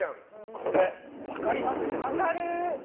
これ、分かります？